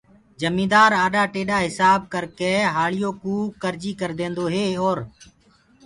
جميندآر آڏآ ٽيڏآ هسآب ڪرڪي هآݪيوڪو ڪرجي ڪرديندآ هين اور